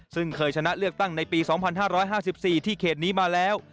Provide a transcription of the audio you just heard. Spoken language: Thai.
ซึ่งเคยชนะเลือกตั้งในปี๒๕๕๔ที่เขตนี้มาแล้ว